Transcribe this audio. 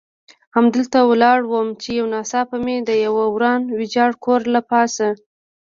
همدلته ولاړ وم، چې یو ناڅاپه مې د یوه وران ویجاړ کور له پاسه.